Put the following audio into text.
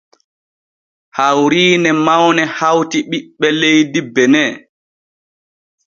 Hawriine mawne hawti ɓiɓɓe leydi benin.